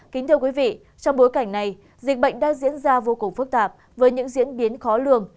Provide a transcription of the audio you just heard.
kính thưa quý vị trong bối cảnh này dịch bệnh đang diễn ra vô cùng phức tạp với những diễn biến khó lường